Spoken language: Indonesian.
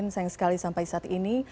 sayang sekali sampai saat ini